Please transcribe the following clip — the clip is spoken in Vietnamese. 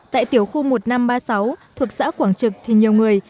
tại tiểu khu một nghìn năm trăm ba mươi sáu thuộc xã quảng trực thì nhiều người